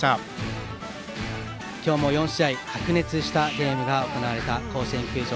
今日も４試合白熱したゲームが行われた甲子園球場。